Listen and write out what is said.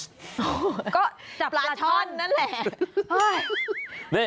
ก็จับปลาช่อนนั่นแหละ